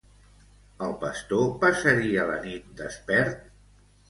El pastor passaria la nit despert?